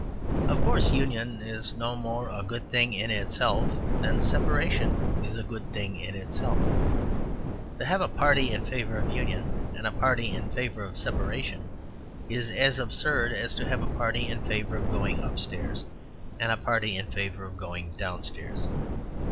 Of course, union is no more a good thing in itself than separation is a good thing in itself. To have a party in favour of union and a party in favour of separation is as absurd as to have a party in favour of going upstairs and a party in favour of going downstairs.